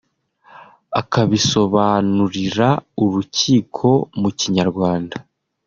akabisobanurira urukiko mu Kinyarwanda